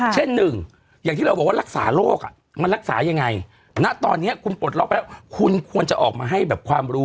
เช่นหนึ่งอย่างที่เราบอกว่ารักษาโรคมันรักษายังไงณตอนนี้คุณปลดล็อกแล้วคุณควรจะออกมาให้แบบความรู้